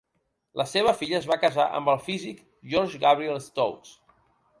La seva filla es va casar amb el físic George Gabriel Stokes.